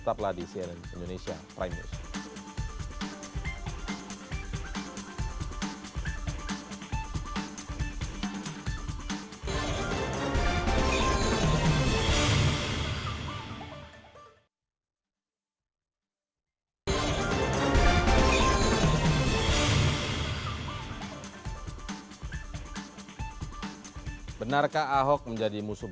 tetaplah di cnn indonesia prime news